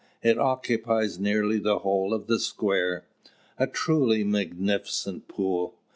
It occupies nearly the whole of the square. A truly magnificent pool!